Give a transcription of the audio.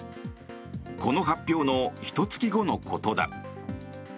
この発表のひと月後のことだ。